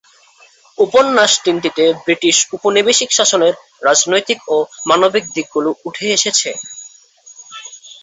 উপন্যাস তিনটিতে ব্রিটিশ উপনিবেশিক শাসনের রাজনৈতিক ও মানবিক দিকগুলো উঠে এসেছে।